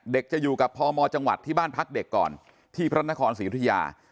จะอยู่กับพมจังหวัดที่บ้านพักเด็กก่อนที่พระนครศรียุธยา